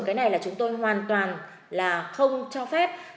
cái này là chúng tôi hoàn toàn là không cho phép